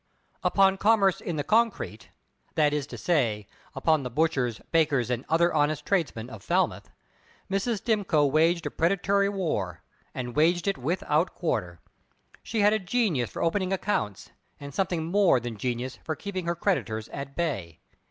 Upon commerce in the concrete that is to say, upon the butchers, bakers, and other honest tradesmen of Falmouth Mrs. Stimcoe waged a predatory war, and waged it without quarter. She had a genius for opening accounts, and something more than genius for keeping her creditors at bay.